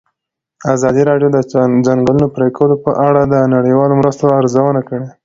ازادي راډیو د د ځنګلونو پرېکول په اړه د نړیوالو مرستو ارزونه کړې.